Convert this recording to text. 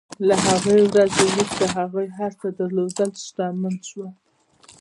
له هغې ورځې وروسته هغوی هر څه درلودل او شتمن شول.